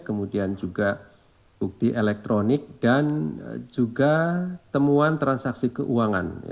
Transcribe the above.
kemudian juga bukti elektronik dan juga temuan transaksi keuangan